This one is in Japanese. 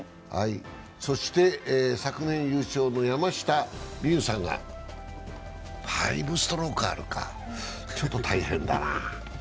そして、昨年優勝の山下美夢有さんが５ストロークあるか、ちょっと大変だなあ。